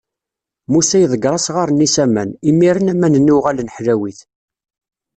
Musa iḍegger asɣar-nni s aman, imiren aman-nni uɣalen ḥlawit.